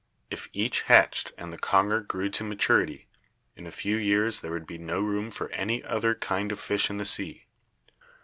If each hatched and the conger grew to maturity, in a few years there would be no room for any other kind of fish in the sea.